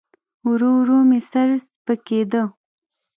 ورو ورو مې سر سپکېده.